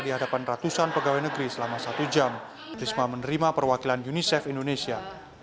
di hadapan ratusan pegawai negeri selama satu jam risma menerima perwakilan unicef indonesia